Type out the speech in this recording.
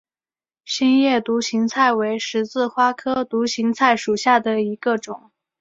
心叶独行菜为十字花科独行菜属下的一个种。